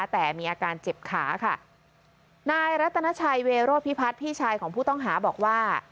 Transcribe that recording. แต่มีอาการเจ็บขาค่ะนายรัตนาชัยเวโรพิพัฒน์พี่ชายของผู้ต้องหาบอกว่า